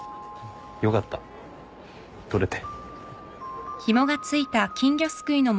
よかった取れて。